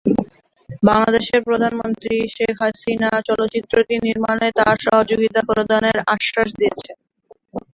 বাংলাদেশের প্রধানমন্ত্রী শেখ হাসিনা চলচ্চিত্রটি নির্মাণে তার সহযোগিতা প্রদানের আশ্বাস দিয়েছেন।